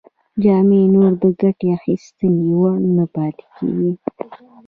جامې نور د ګټې اخیستنې وړ نه پاتې کیږي.